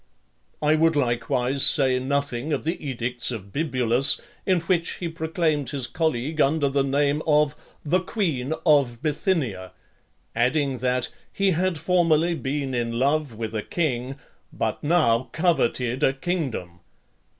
I would likewise say nothing of the edicts of Bibulus, in which he proclaimed his colleague under the name of "the queen of Bithynia;" adding, that "he had formerly been in love with a king, but now coveted a kingdom."